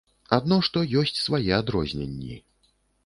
Адно што, ёсць свае адрозненні.